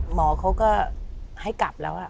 หมอเขาก็ให้กลับแล้ว